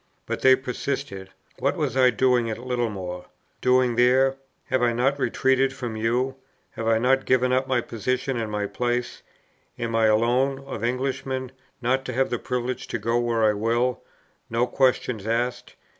But they persisted: "What was I doing at Littlemore?" Doing there! have I not retreated from you? have I not given up my position and my place? am I alone, of Englishmen, not to have the privilege to go where I will, no questions asked?